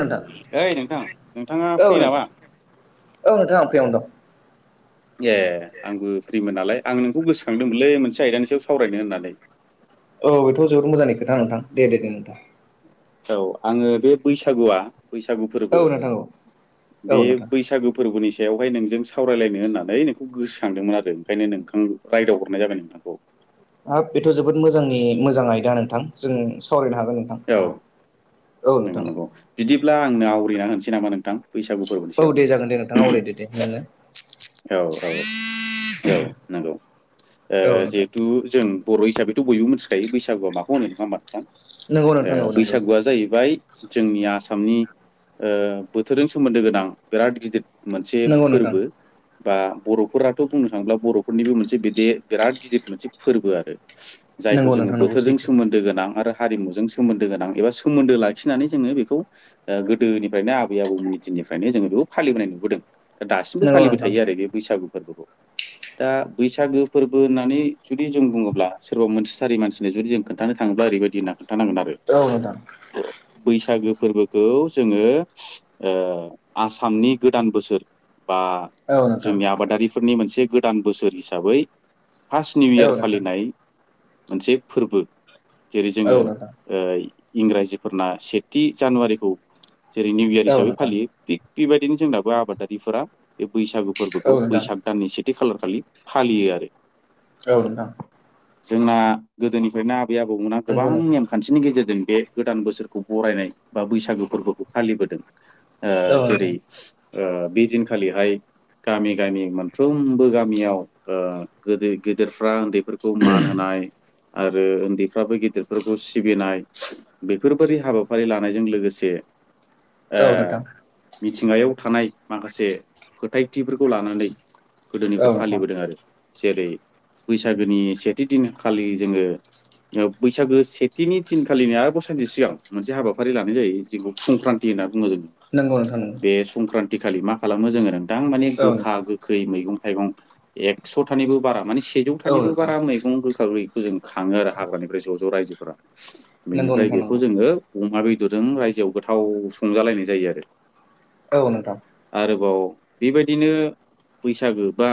नोंथां ओइ नोंथां नोंथाङा औ फ्रि नोंथां नामा? औ नोंथां आं फ्रियावनो दं। ए आंबो फ्रिमोन नालाय आं नोंखौ गोसोखांदोंमोनलै मोनसे आयदानि सायाव सावरायनो होननानै। औ बेथ' जोबोद मोजांनि खोथा नोंथां दे दे दे नोंथां। औ आङो बे बैसागुआ बैसागु फोरबो औ नोंथां औ बे औ नोंथां बैसागु फोरबोनिसा सायावहाय नोंजों सावरायलायनो होननानै नोंखौ गोसोखांदोंमोन आरो ओंखायनो नोंथां रायदाव हरनाय जाबाय नोंथांखौ। हाब बेथ' जोबोद मोजांनि मोजां आयदा नोंथां जों सावरायनो हा औ नंगौ नंगौ बिदिब्ला आंनो आवरिना होनोसै नामा नोंथां। बैसागु फोरबोनि औ सायाव दे जागोन दे नोंथां आवरायदो दे नोंनो औ औ औ नोंगौ ओ औ नोंथां जिहेथु जों बर' हिसाबैथ' बयबो मिथिखायो बैसागुआ माखौ होनो नङा मा नोंथां नंगौ नोंथां ओ नंगौ नंगौ बैसागुआ जाहैबाय जोंनि आसामनि ओ बोथोरजों सोमोन्दो गोनां बिराद गिदिर मोनसे नंगौ नोंथां फोरबो बा बर'फोराथ' बुंनो थाङोब्ला बर'फोरनिबो मोनसे बेदे बिराद गिदिर मोनसे फोरबो आरो। जायखौ नंगौ जोङो नोंथां नंगौ बोथोरजों सैथो सोमोन्दो गोनां आरो हारिमुजों सोमोन्दो गोनां एबा सोमोन्दो लाखिनानै जोङो बेखौ गोदोनिफ्रायनो आबै आबौमोननि दिन निफ्रायनो जो बेखौ फालिबोनाय नुबोदों दासिमबो नंगौ फालिबाय नोंथां थायो आरो बे बैसागु फोरबोखौ। दा बैसागो फोरबो होननानै जुदि जों बुङोब्ला सोरबा मोनथिथारि मानसिनो जुदि जों खोन्थानो थाङोब्ला ओरैबायदि होनना खोन्थानांगोन आरो औ नोंथां बैसागो फोरबोखौ जोङो ओ आसामनि गोदान बोसोर। बा औ नोंथां जोंनि आबादारिफोरनि मोनसे गोदान बोसोर हिसाबै फार्स्ट निउ औ इयार नोंथां फालिनाय मोनसे फोरबो जेरै औ जोङो नोंथां ओ इंराजिफोरना सेथि जानुवारिखौ जेरै निउ इयार औ हिसाबै नोंथां फालियो बे बेबायदिनो जोंनाबो आबादारिफोरा बे बैसागु औ फोरबोखौ नोंथां बैसाग दाननि सेथि खालार खालि फालियो आरो। औ नोंथां। जोंना गोदोनिफ्रायनो आबै आबौमोना नंगौ गोबां नोंथां नेमखान्थिनि गेजेरजों बे गोदान बोसोरखौ बरायनाय बा बैसागो फोरबोखौ फालिबोदों। ओ औ नोंथां जेरै ओ बे दिनखालिहाय गामि गामि मोनफ्रोमबो गामियाव ओ गोदो-गेदेरफ्रा उन्दै फोर खौ मान होनाय आरो उन्दैफ्राबो गिदिरफोरखौ सिबिनाय बेफोरबायदि हाबाफारि लानायजों लोगोसे औ नोथां। थिंगायाव थानाय माखासे फोथायथिफोरखौ लानानै नोंथां औ गोदोनिफ्राय नोंथां फालिबोदों आरो। जेरै बैसागोनि सेथि दिनखालि जोङो बैसागो सेथिनि थिनखालिनि आरोबाव सानसे सिगां मोनसे हाबाफारि लानाय जायो जेखौ संक्रान्ति होनना बुङो जोङो नंगौ नोंथां बे नंगौ संक्रान्ति खालि मा खालामो जोङो नोंथां माने औ नोंथां औ गोखा गोखै मैगं थाइगं एकस'थानिबो बारा मानि सेजौथानिबो नोंथां बारा मैगं गोखा गैखै जों खाङो आरो हाग्रानिफ्राय ज' ज' रायजोफोरा नंगौ बेनिफ्राय नोंथां बेखौ नंगौ जोङो अमा बे दरजों रायजोआव गोथाव संजालायनाय जायो आरो औ नोंथां आरोबाव बेबायदिनो बैसागो बा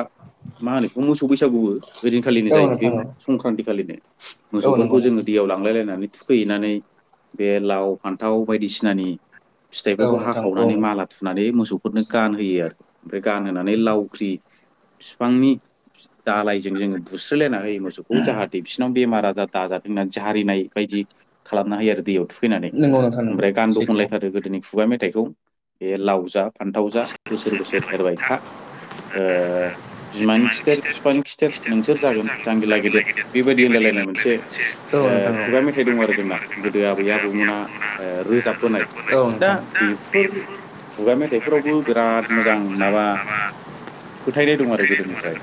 मा होनो बेखौ मोसौ बैसागुबो ओइ दिनखालिनो औ जायो बे नोंथां औ संक्रान्ति खालिनो औ नंगौ मोसौफोरखौ जोङो नोंथां दैयाव लांलायलायनानै थु खैनानै बे लाव फान्थाव बायदिसिनानि औ फिथाइफोरखौ नोंथां औ हाखावनानै नोंथां माला थुनानै मोसौफोरनो गानहोयो आरो। ओमफ्राय गानहोनानै लावख्रि बिफांनि दालायजों जोङो बुस्रोलायना होयो मोसौखौ जाहाथे बिसिरनाव बेमार आजार दाजाथों होननानै जारिनाय बाय बिदि खालामनो हायो आरो दैयाव थुखैनानै नंगौ नोंथां नंगौ ओमफ्राय गानबो सैथो खनलायथारो गोदोनि खुगा मेथ थाइखौ बे लाव जा फान्थाव जा बोसोर बोसोर एरबाय था ओ बिमानि खि थेर बिफानि खिथेर नोंसोर जागोन जांगिलाइ गेदेर बेबायदि होनलायलायनाय मोनसे औ ओ नोंथां खुगा मेथाइ दं आरो जोंना गोदो आबै आबौमोना ओ रोजाबबोनाय दा नोंथां बेफोर खुगा मेथाइफोरावबो बिराद मोजां माबा फोथायनाय दं आरो गोदोनिफ्राय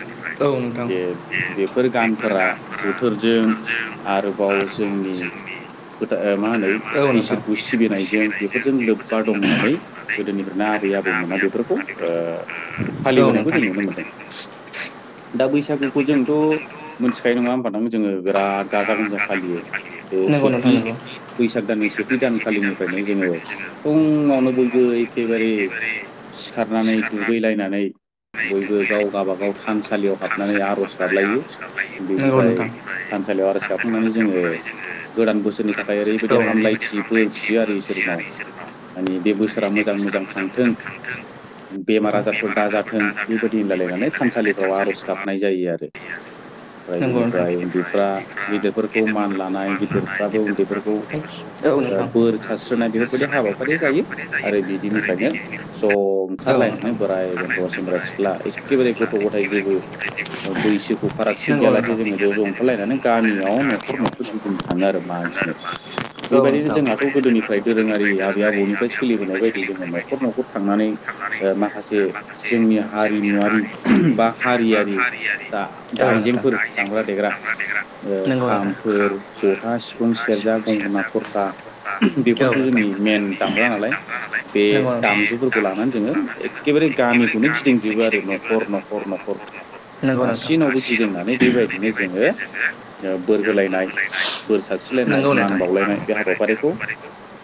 जे बेफोर गानफोरा बोथोरजों आरोबावजों जोंनि फोथा मा होनो इसोरखौ सिबिनायजों बेफोरजों लोब्बा दं होननानै गोदोनिफ्रायनो आबै आबौ मोना बेफोरखौ फालिबोनायखौ जों नुनो मोनदों। दा बैसागोखौ जोंथ' मोनथिखायो नङा होमबा नोंथां जोङो बिराद गाजा गोमजा फालियो। बे नोंगौ सेथि नोंथां नोंगौ। बैसाग दाननि सेथि दानखालिनिफ्रायनो जोङो फुंङावनो बयबो एखेबारे सिखारनानै दुगैलायनानै [unintelligible] बयबो गाबागाव गाव थानसालियाव गावबागाव हाबनानै थानसालियाव आर'ज हाबनानै गाबलायो आर'ज गाबलायो नोंगौ बेनिफ्राय नोंथां बेनिफ्राय आर'ज थानसालियाव गाबखांनानै आरज जोङो गाबखांनानै जोङो गोदान बोसोरनि गोदान थाखाय बोसोरनि ओरैबायदि औ नोंथां ओरैबायदि हामलायथि बोर बियो आरो हामलायथिबो इसोरनाव बियो। [unintelligible] माने बे बोसोरा मोजां मोजां थांथों बेमार आजारफोर दाजा थों बेबायदि होनलायलायनानै थानसालिफ्राव आर'ज गाबनाय जायो आरो। ओमफ्राय बिनिफ्राय उन्दैफ्रा गिदिरफोरखौ मान लानाय गिदिरफ्राबो उन्दैफोरखौ बोर सारस्रोननाय बेफोरबायदि हाबाफारि जायो आरो बिदिनिफ्रायनो ज अ औ ओंखारलायनानै बोराय बेन्थ' सें सेंग्रा सिख्ला एखेबारे गथ' गथाय जेबो बैसोखौ फारागथि गैयालासे जोङो ज' ज ओखारलायना गामियाव न'खर न'खर गिदिंनो थाङो आरो मागिनो थाङो आरो बेबायदिनो मा जोंहाथ' गोदोनिफ्राय दोरों आरि आबै आबौनिफ्राय सोलिबोनाय बायदि जोङो न'खर न'खर थांनानै ओ माखासे जोंनि हारिमुवारि बा हारियारि दा दा आइजेंफोर दामग्रा देग्रा ओ खामफोर जथा, सिफुं, सेरजा, गंगा, थरखा बेफोरथ' जों नि मेन दामग्रा नालाय बे दामजुफोरखौ लानानै जोङो एखेबारे गामिखौ नो गिदिंजोबो आरो न'खर न'खर न'खर नंगौ नोंथां। गासिनावबो गिदिंनानै बेबायदिनो जोङो ओ बोर होलायनाय बोर सारस्रिलायनाय मान बावलायनाय बे हाबाफारिखौ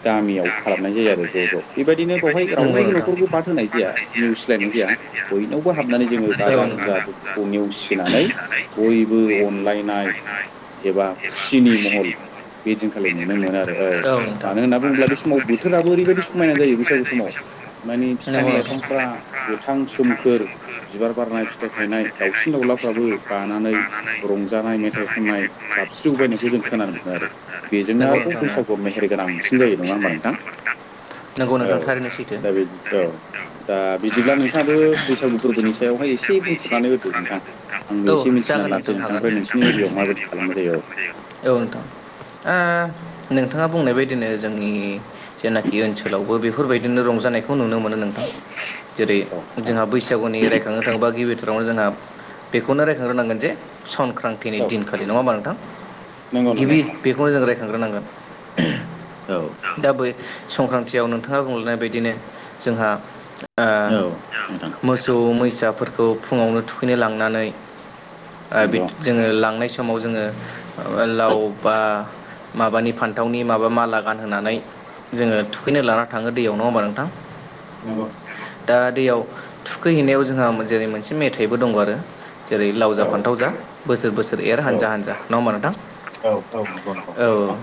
गामियाव खालामनाय जायो आरो ज' ज' बेबायदिनो बेवहाय रावनिबो न'खरखौ बाद होनाय जाया नेवसिला लायनाय जाया बयनावबो हाबनानै जोङो गाजा गोमजा दुखुखौ नेवसिनानै बयबो अन गायनाय एबा खुसिनि महल बेदिनखालि नुनो मोनो आरो औ मानो होनना बुङोब्ला बे समाव बोथोराबो ओरैबायदि समायना जायो बैसागु समाव मानि बिफां लाइफांफ्रा गोथां सोमखोर बिबार बारनाय फिथाइ थायनाय दाउसिन दाउलाफ्राबो बानानै रंजानाय मेथाइ खननाय गाबस्रिव बायनायखौ जों खोनानो मोनो आरो बेजोंनो आरोबाव बैसागुआव मेहेरगोन गोनांसिन जायो, नङा होमबा नोंथां? नंगौ नोंथां औ थारैनो सैथो। दा बेदि औ दा आ बिदिब्ला नोंथाङाबो बैसागु फोरबोनि सायावहाय एसे बुंफुरनानै होदो नोंथां। आंबो औ एसे मिथिनानै जागोन ला मोसौ नोंथां हागोन औ नोंथांनिफ्राय नोंसिनि एरियाव माबायदि खालामनाय जायो औ। नोंथां ओ नोंथाङा बुंनाय बादिनो जोंनि जेनाखि ओनसोलावबो बेफोरबायदिनो रंजानायखौ खौ नुनो मोनो नोंथां। जेरै औ नोंथां जोंहा बैसागुनि रायखांनो थाङोबा गिबि थारावनो जोंहा बेखौनो रायखांग्रोनांगोन जे सं क्रांतिनि दिनखालि, नङा होमबा नोंथां? नंगौ नंगौ गिबि नोंथां बेखौनो जों रायखांग्रोनांगोन। औ दा बै संक्रान्तियाव नोंथाङा बुंलांनाय बायदिनो जोंहा ओ औ नोंथां मोसौ मैसाफोरखौ फुङावनो थुखैनो लांनानै ओ बिद नंगौ जोङो लांनाय समाव जोङो लाव बा माबानि फान्थावनि माबा माला औ गानहोनानै जोङो थुखैनो औ लाना थाङो दैयाव नङा होमबा नोंथां? [unintelligible] दा दैयाव थुखैहैनायाव जोंहा जेरै मोनसे मेथाइबो दं आरो। जेरै लाव जा औ फान्थाव जा नंगौ बोसोर बोसोर एर औ हानजा हानजा नङा होमबा नोंथां? औ औ नंगौ नंगौ औ नोंथां।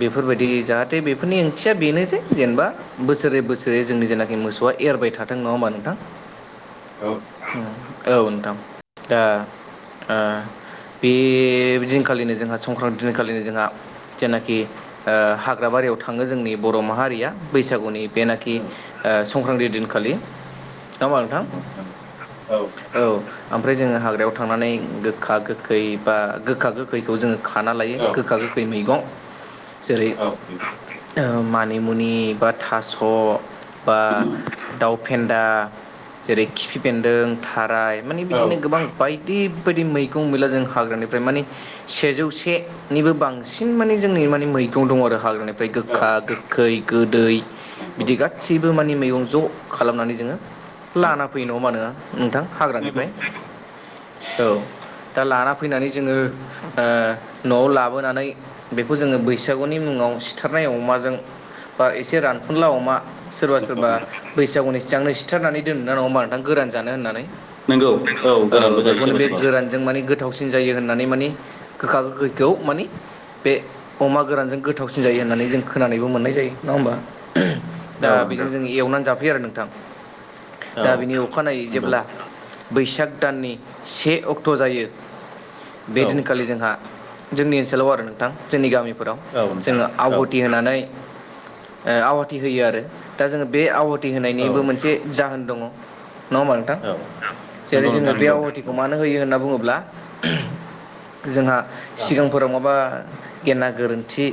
बेफोरबायदि जाहाथे बेफोरनि ओंथिया बेनोसै जेनेबा बोसोरे बोसोरे जोंनि जेनाखि मोसौ आ एरबाय थाथों नङा होमबा नोंथां? औ नोंथां औ नोंथां। दा ओ बे दिनखालिनो जोंहा संक्रान्ति दिनखालिनो जोंहा जेनाखि ओ हाग्रा बा रियाव थाङो जोंनि बर' माहारिया। बैसागुनि जेनाखि औ संक्रान्ति दिनखालि। नामा नोंथां? औ। ओमफ्राय जोङो हाग्रायाव थांनानै गोख्खा गोख्खै बा गोखा गोखैखौ जोङो खाना लायो औ गोखा गोखै मैगं। जेरै मानिमुनि बा थास' बा दाउ फेन्दा जेरै खिफिफेन्दों थाराय माने औ बिदिनो गोबां बाय दि बायदि मैगं गैला जों हाग्रानिफ्राय माने सेजौ सेनिबो बांसिन माने जोंनि माने मैगं दं आरो हाग्रानि फ्राय औ गोख्खा गोख्खै गोदै नंगौ बिदि गास्सैबो माने मैगं ज' खालामनानै जोङो औ लाना फैयो नङा मा न नोंथां नंगौ हाग्रानिफ्राय औ। दा लाना फैनानै जोङो ओ न'आव लाबोनानै बेखौ जोङो बैसागुनि मुं मुङाव सिथारनाय अमाजों बा एसे रानफुनला अमा सोरबा नंगौ सोरबा नोंथां बैसागुनि सिगांनो सिथारनानै दोनोना नङा होमबा नोंथां गोरान जानो होननानै। नंगौ औ गोरानबो जायो बेखौनो सोरबा बे सोरबा गोरानजों माने गोथावसिन जायो होननानै माने गोखा गोखैखौ माने बे अमा गोरानजों गोथावसिन जायो होननानै जों खोनानोबो मोननाय जायो, नङा होमबा? दा औ नंगौ बेजों जों एवनानै जाफैयो आरो नोंथां। औ दा बिनि अखानायै नंगौ जेब्ला बैसाग दाननि से अक्ट' जायो बे औ दिनखालि जोंहा जोंनि ओनसोलाव आरो नोंथां जोंनि गामिफोराव औ नोंथां जोङो औ आवहुथि होनानै आवाथि होयो आरो दा जोङो बे आवाथि औ होनायनिबो मोनसे जाहोन दङ। नङा होमबा नोंथां? औ जेरै नंगौ जोङो नोंथां बे नंगौ आवाथिखौ नंगौ मानो होयो होनना बुङोब्ला ब्ला जोंहा औ सिगांफोराव माबा गेना गोरोन्थि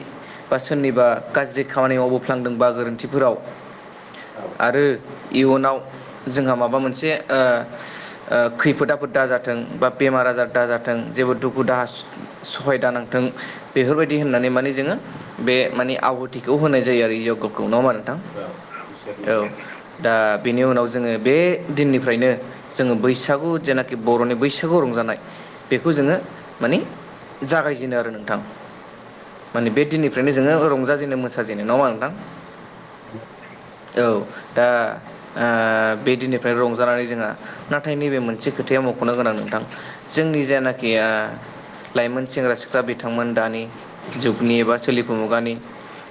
बा सोरनिबा औ गाज्रि खामानि मावबो फ्लांदोंबा गोरोन्थिफोराव औ आरो इयुनाव जोंहा माबा मोनसे ओ खैफोद आफोद दा जाथों बा बेमार आजार दाजाथों जेबो दुखु दाहा स-सहाय दा नांथों बेफोरबायदि होननानै माने जोङो बे माने आहुथिखौ होनाय जायो आरो यगखौ नङा होमबा नो औ बिसे औ दा बेनि उनाव जोङो बे दिननिफ्रायनो जोङो बैसागु जेनाखि बर'नि बैसागु रंजानाय। ज बेखौ जोङो मानिे जागायजेनो आरो नोंथां माने बे दिननिफ्रायनो जोङो रंजाजेननो मोसाजेननाय नङा नोंथां। औ। औ दा बे दिननिफ्राय रंजानानै जोंहा नाथाय नैबे मोनसे खोथाया। मख'नो गोनां नोंथां जोंनि जायनाखि लाइमोन सेंग्रा सिख्ला बिथांमोन दानि जुगनि एबा सोलिफु मुगानि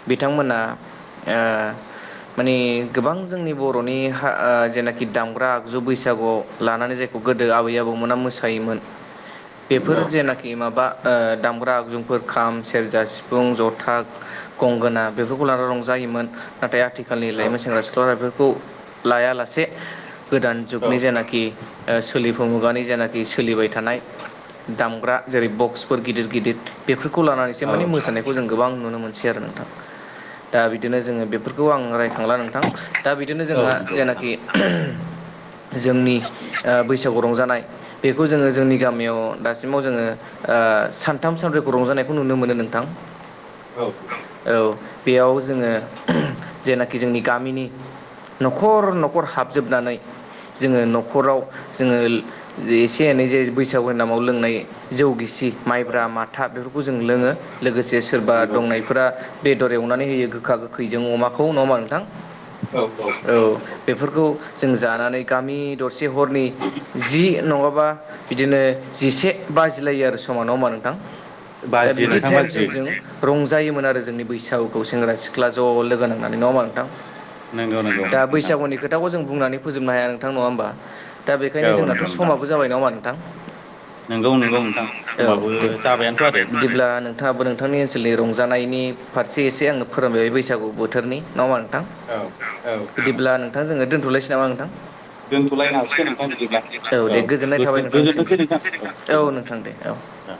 बिथांमोना माने गोबां जोंनि बर'नि ह जेनाखि दामग्रा आगजु बैसागुआव लानानै जायखौ गोदो आबै आबौमोना मोसायोमोन। औ बेफोर जेनाखि माबा दामग्रा आगजुफोर खाम सेरजा सिफुं जथा गंगोना बेफोरखौ लानानै रंजायो। मोन नाथाय आथि। आथिखालनि लाइमोन सेंग्रा सिख्लाफोरखौ लायालासे गोदान औ जुगनि जेनाखि सोलिफु मुगानि जेनाखि सोलिबाय थानाय दामग्रा जेरै बक्सफोर गिदिर गिदिर बे लानानैसो माने मोसानायखौ जों गोबां नुनो मोनसै आरो नोंथां दा बिदिनो जोङो बेफोरखौ आं आ रायखांला नोंथां दा बिदिनो औ जोंहा नोंथां जेनाखि जोंनि बै बैसागु रंजानाय बेखौ जोङो जोंनि गामियाव दासिमाव जोङो सानथाम सानब्रैखौ रंजानाय खौ नुनो मोनो नोंथां। औ। औ बेयाव जोङो जेनाखि जोंनि गामिनि न'खर न'खर हाबजोबनानै। जोङो नंगौ न'खराव जोङो एसे एनै जे बैसागुनि नामाव लोंनाय जौ गिसि। माइब्रा माथा बेफोरखौ जों औ लोङो लोगोसे लोगोसे सोरबा नंगौ दंनायफोरा बेदर एवनानै होयो गोखा गोखैजों अमाखौ नङोमा नोंथां औ औ। नंगौ बेफोरखौ जों जानानै गामि दरसे हरनि जि नङाब्ला बिदिनो जिसे बाजिलायो आरो समान नङा होमबा नोंथां? दा बाजियो बिदि नोंथां टाइमजोंम बाजियो जों रंजायोमोन आरो जोंनि बैसागुखौ सेंग्रा सिख्ला ज' लोगो नां होननानै नङा होमा नोंथां नंगौ नंगौ दा नोंथां बैसागुनि खोथाखौ जों बुंनानै फोजोबनो हाया। नोंथां नङा होमबा दा बेखायनो औ जोंनाथ' नंगौ नोंथां समाबो जाबाय नामा नोंथां? नंगौ नंगौ नोंथां औ समाबो दे जाबायानोथ' आरो बिदिब्ला नोंथाङाबो नोंथांनि ओनसोलनि रंजानाय फनायनि फारसे एसे आङो फोरोंबायबाय बैसागु बोथोरनि मा मा? नोंथां औ औ बिदिब्ला नोंथां जोङो दोन्थ'लायसै नामा नोंथां? दोनथ'लायनो हासिगोन नोंथां बिदिब्ला औ दे गोजोननाय थाबाय नोंथांनिसिमबो औ नोंथां दे औ। औ।